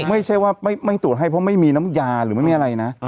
ไม่ใช่ว่าไม่ตรวจให้เพราะไม่มีน้ำยาหรือไม่มีอะไรนะ